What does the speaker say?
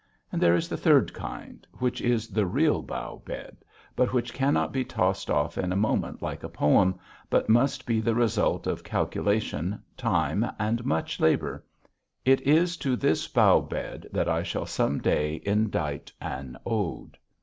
And there is the third kind, which is the real bough bed, but which cannot be tossed off in a moment, like a poem, but must be the result of calculation, time, and much labor. It is to this bough bed that I shall some day indite an ode.